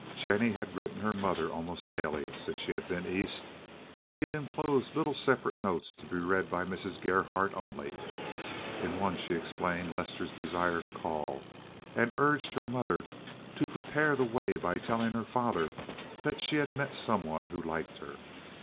Jennie had written her mother almost daily since she had been East. She had inclosed little separate notes to be read by Mrs. Gerhardt only. In one she explained Lester's desire to call, and urged her mother to prepare the way by telling her father that she had met some one who liked her.